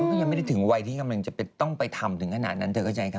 ว่าเธอก็ยังไม่ได้ถึงวัยที่กำลังจะต้องไปทำถึงขนาดนั้นเธอก็เกียจกับผม